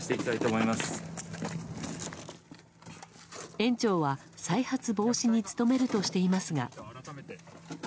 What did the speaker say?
園長は再発防止に努めるとしていますが。